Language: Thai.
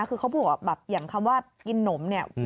คือเขาบอกว่าแบบอย่างคำว่ากินนมเนี่ย